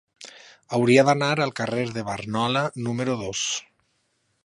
Hauria d'anar al carrer de Barnola número dos.